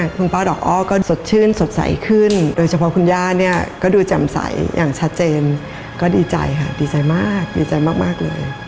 คุณป้าดอกอ้อก็สดชื่นสดใสขึ้นโดยเฉพาะคุณย่าเนี่ยก็ดูแจ่มใสอย่างชัดเจนก็ดีใจค่ะดีใจมากดีใจมากเลย